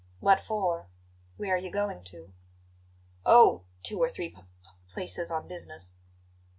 What for? Where are you going to?" "Oh! two or three p p places, on business."